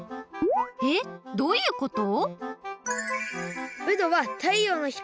えっ？どういうこと？